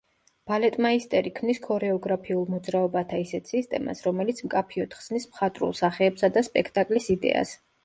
ბალეტმაისტერი ქმნის ქორეოგრაფიულ მოძრაობათა ისეთ სისტემას, რომელიც მკაფიოდ ხსნის მხატვრულ სახეებსა და სპექტაკლის იდეას.